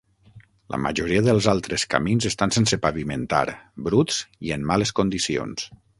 La majoria dels altres camins estan sense pavimentar, bruts i en males condicions.